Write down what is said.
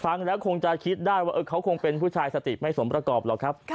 ฟังแล้วคงจะคิดได้ว่าเขาคงเป็นผู้ชายสติไม่สมประกอบหรอกครับ